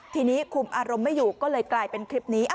ทีนี้คุมอารมณ์ไม่อยู่ก็เลยกลายเป็นคลิปนี้